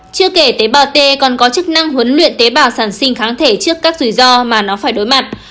chưa kể tế bào t còn có chức năng huấn luyện tế bào sản sinh kháng thể trước các rủi ro mà nó phải đối mặt